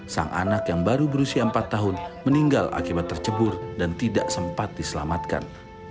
sang anak yang baru berusia empat tahun meninggal akibat tercebur dan tidak sempat diselamatkan